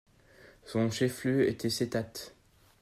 Son chef-lieu était Settat.